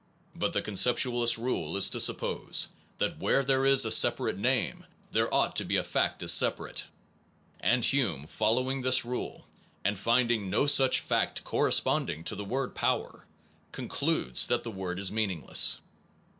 But the conceptualist rule is to suppose that where there is a separate name there ought to be a fact as separate ; and Hume, following this rule, and finding no such fact corresponding to the word power/ concludes that the word is meaningless.